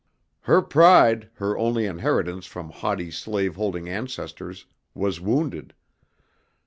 Her pride, her only inheritance from haughty slave holding ancestors, was wounded.